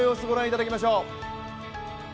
ご覧いただきましょう。